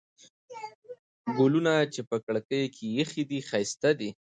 ګلونه چې په کړکۍ کې ایښي دي، ښایسته دي.